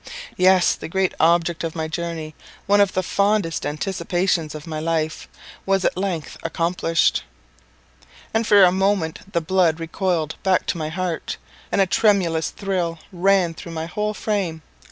Yes, the great object of my journey one of the fondest anticipations of my life was at length accomplished; and for a moment the blood recoiled back to my heart, and a tremulous thrill ran through my whole frame.